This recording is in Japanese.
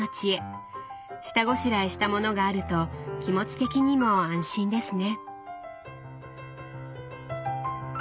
下ごしらえしたものがあると気持ち的にも安心ですね。